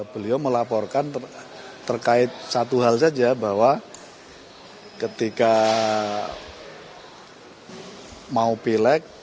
beliau melaporkan terkait satu hal saja bahwa ketika mau pilek